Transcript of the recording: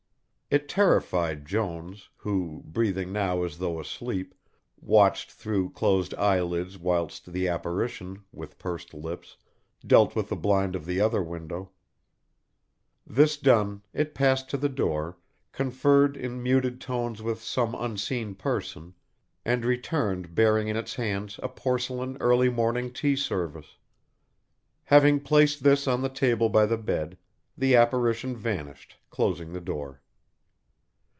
It terrified Jones, who, breathing now as though asleep, watched through closed eyelids whilst the apparition, with pursed lips, dealt with the blind of the other window. This done, it passed to the door, conferred in muted tones with some unseen person, and returned bearing in its hands a porcelain early morning tea service. Having placed this on the table by the bed, the apparition vanished, closing the door.